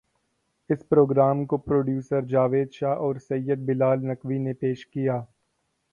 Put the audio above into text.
اس programme کو producer Javed Shah اور Syed Bilal Naqvi نے پیش کیا